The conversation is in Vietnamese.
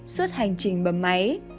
suốt hành trình bấm máy